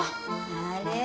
あれ？